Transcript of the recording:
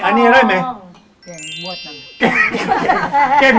อันนี้อะไรแม่ขา